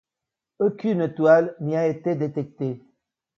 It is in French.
Aucune étoile n'y a été détectée.